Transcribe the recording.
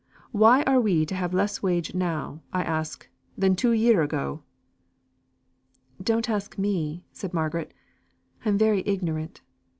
Why are we to have less wage now, I ask, than two year ago?" "Don't ask me," said Margaret; "I am very ignorant.